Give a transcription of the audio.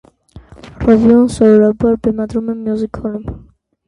Ռևյուն սովորաբար բեմադրվում է մյուզիկհոլում։